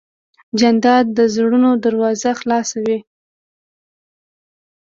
جانداد د زړونو دروازه خلاصوي.